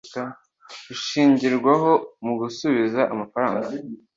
ishingirwaho mu gusubiza amafaranga